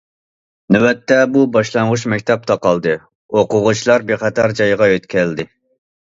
نۆۋەتتە بۇ باشلانغۇچ مەكتەپ تاقالدى، ئوقۇغۇچىلار بىخەتەر جايغا يۆتكەلدى.